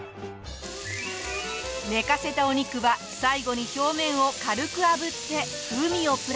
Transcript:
寝かせたお肉は最後に表面を軽くあぶって風味をプラス。